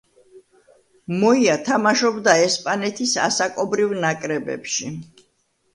მოია თამაშობდა ესპანეთის ასაკობრივ ნაკრებებში.